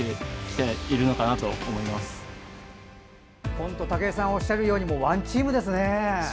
本当に武井さんがおっしゃるようにワンチームですね。